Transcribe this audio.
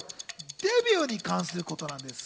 デビューに関することなんです。